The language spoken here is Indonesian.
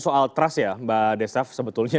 soal trust ya mbak desaf sebetulnya